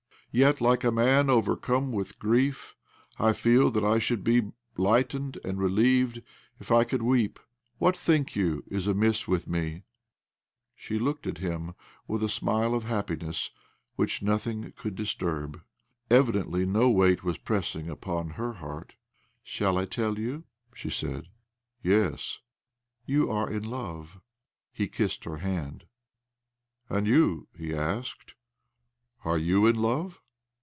Yet, like a man overcome with grief, I feel that I should be lightened and relieved if I could weep. What, think you, is amiss with me ?" She looked at him with a smile of hap i8o OBLOMOV piness which nothing could disturb'. Evi dently no weight was pressing upon her heart. "Shall I tell you?" she said. , "Yes." " ,You are in love." He kissed her hand. "And you?" he asked. "Are you in love?"